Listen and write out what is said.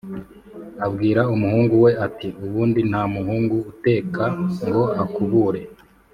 abwira umuhungu we ati: “Ubundi nta muhungu uteka ngo akubure.